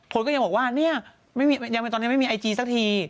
คนก็ยังบอกว่าเนี่ยตอนนี้ไม่มีไอจีสักที